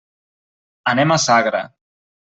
Anem a Sagra.